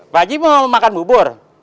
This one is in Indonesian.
pak haji mau makan bubur